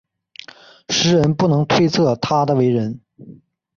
时人不能推测他的为人。